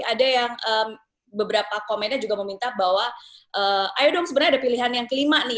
ada yang beberapa komennya juga meminta bahwa ayo dong sebenarnya ada pilihan yang kelima nih